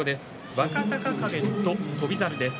若隆景と翔猿です。